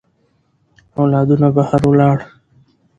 اولادونه بهر ولاړ.